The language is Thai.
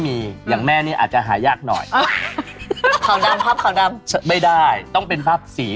พี่ก้องอะไรอย่างนี้